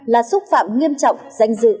là xúc phạm nghiêm trọng danh dự